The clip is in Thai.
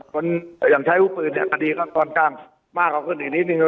คนอย่างใช้วุธปืนเนี่ยคดีก็ค่อนข้างมากกว่าขึ้นอีกนิดนึง